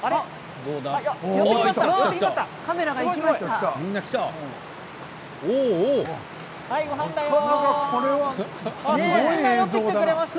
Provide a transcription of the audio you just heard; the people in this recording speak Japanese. カメラが行きました。